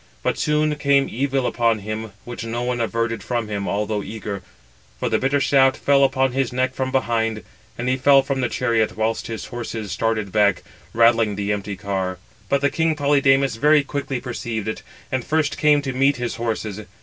But soon came evil upon him, which no one averted from him, although eager; for the bitter shaft fell upon his neck from behind, and he fell from the chariot, whilst his horses started back, rattling the empty car. But king Polydamas very quickly perceived it, and first came to meet his horses.